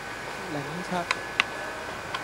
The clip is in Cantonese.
檸七